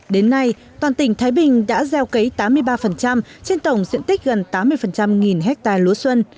đến nay toàn tỉnh thái bình đã gieo cấy tám mươi ba trên tổng diện tích gần tám mươi ha lúa xuân